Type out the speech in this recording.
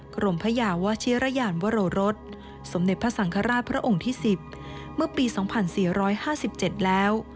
กรมพยาวชิรยานวโรรสสมเด็จพระสังฆราชพระองค์ที่๑๐เมื่อปี๒๔๕๗แล้ว